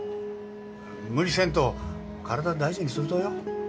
うん無理せんと体大事にするとよ。